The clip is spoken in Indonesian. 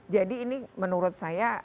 jadi ini menurut saya